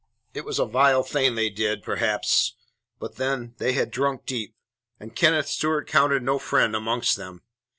It was a vile thing they did, perhaps; but then they had drunk deep, and Kenneth Stewart counted no friend amongst them.